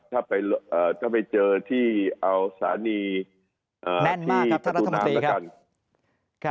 ถ้าไปเจอที่เอาศาลีแม่นมากครับท่านรัฐมนตรีครับ